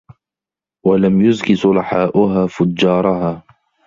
وَلَمْ يُزْكِ صُلَحَاؤُهَا فُجَّارَهَا